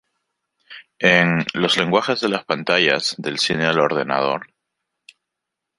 En "Los lenguajes de las pantallas: del cine al ordenador.